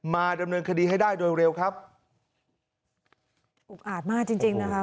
มาดำเนินคดีให้ได้โดยเร็วครับอุกอาจมากจริงจริงนะคะ